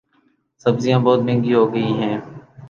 سبزیاں بہت مہنگی ہوگئی ہیں